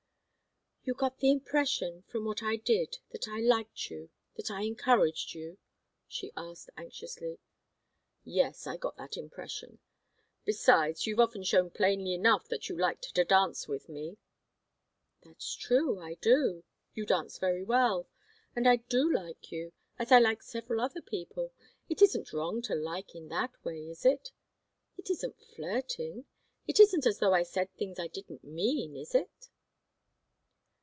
"You got the impression, from what I did, that I liked you that I encouraged you?" she asked, anxiously. "Yes. I got that impression. Besides, you've often shown plainly enough that you liked to dance with me " "That's true I do. You dance very well. And I do like you as I like several other people. It isn't wrong to like in that way, is it? It isn't flirting? It isn't as though I said things I didn't mean, is it?"